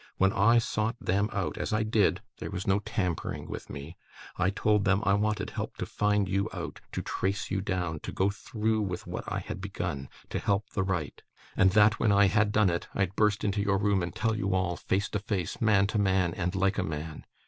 When I sought them out (as I did; there was no tampering with me), I told them I wanted help to find you out, to trace you down, to go through with what I had begun, to help the right; and that when I had done it, I'd burst into your room and tell you all, face to face, man to man, and like a man.